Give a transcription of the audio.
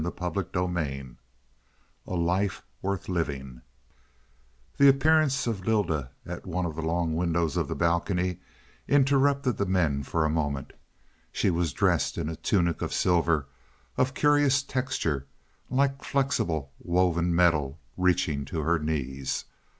CHAPTER XXI A LIFE WORTH LIVING The appearance of Lylda at one of the long windows of the balcony, interrupted the men for a moment. She was dressed in a tunic of silver, of curious texture, like flexible woven metal, reaching to her knees.